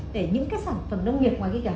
để những cái sản phẩm nông nghiệp ngoài kia kìa